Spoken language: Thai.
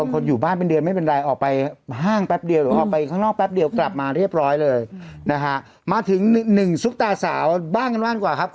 กำหนดเวลาไปเลยว่าสมมติ๑เดือนใช่ไหมคะ